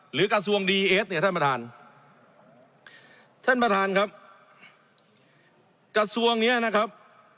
กระทรวงดีเอสเนี่ยท่านประธานท่านประธานครับกระทรวงเนี้ยนะครับ